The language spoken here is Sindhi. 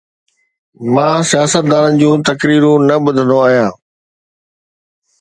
مان سياستدانن جون تقريرون نه ٻڌندو آهيان.